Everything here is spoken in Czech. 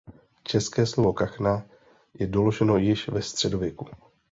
České slovo kachna je doloženo již ve středověku.